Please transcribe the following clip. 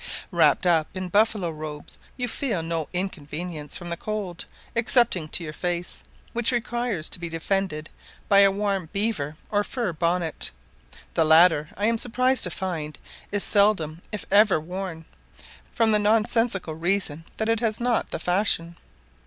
Wrapped up in buffalo robes you feel no inconvenience from the cold, excepting to your face, which requires to be defended by a warm beaver or fur bonnet; the latter, I am surprised to find, is seldom if ever worn, from the nonsensical reason that it is not the fashion.